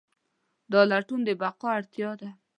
دا لټون د بقا اړتیا ده.